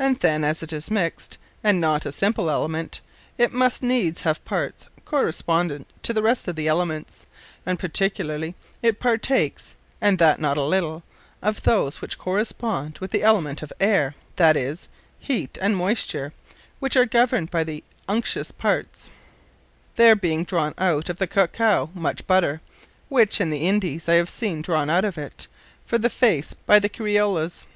And then, as it is a Mixed, and not a simple Element, it must needs have parts correspondent to the rest of the Elements; and particularly, it partakees (and that, not a little) of those, which correspond with the Element of Aire, that is, Heat and Moysture, which are governed by the Unctious parts; there being drawne out of the Cacao much Butter, which, in the Indies I have seene drawne out if it, for the Face, by the Criollas.